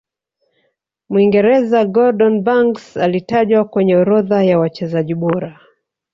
mwingereza gordon Banks alitajwa kwenye orodha ya wachezaji bora